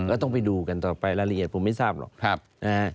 ก็ต้องไปดูกันต่อไปรายละเอียดผมไม่ทราบหรอกนะฮะ